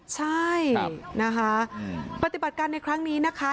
ใช่นะคะปฏิบัติการในครั้งนี้นะคะ